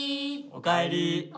おかえり！